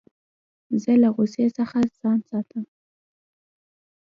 زه له غوسې څخه ځان ساتم.